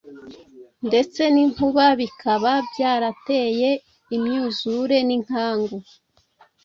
ndetse n’inkuba bikaba byarateye imyuzure n’inkangu;